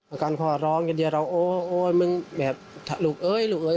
อาการพ่อร้องอย่างเดียวเราโอ๊ยโอ๊ยมึงแบบลูกเอ้ยลูกเอ้ย